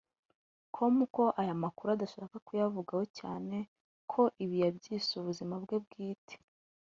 com ko aya makuru adashaka kuyavugaho cyane ko ibi yabyise ubuzima bwe bwite